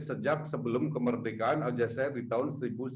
sejak sebelum kemerdekaan aljazeera di tahun seribu sembilan ratus enam puluh dua